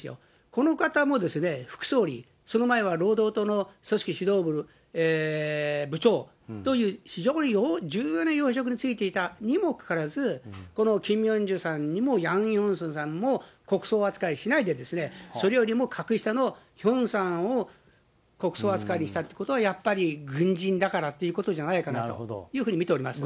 この方も副総理、その前は労働党の組織指導部部長という非常に重要な要職に就いていた、にもかかわらず、このキム・ヨンジュさんにもヤン・ヨンソさんも国葬扱いしないで、それよりも格下のヒョンさんを国葬扱いにしたということは、やっぱり軍人だからっていうことじゃないかなというふうに見ております。